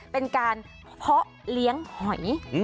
เป็นการเพาะเลี้ยงหอย